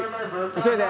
「急いで！」